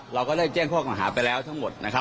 เราก็ได้แจ้งข้อต่างหาไปแล้วทั้งหมด